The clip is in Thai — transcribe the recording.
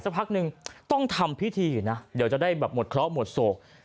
พักนึงต้องทำพิธีนะเดี๋ยวจะได้แบบหมดเคราะห์หมดโศก